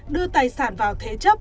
đưa tài sản vào thế chấp